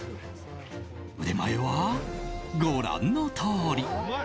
腕前は、ご覧のとおり！